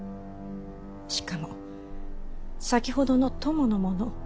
しかも先ほどの供の者